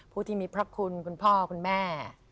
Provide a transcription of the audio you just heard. ผู้ที่มีพระคุณคุณพ่อคุณแม่